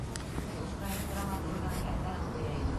Бер украин драматургының әҫәрен ҡуя инек.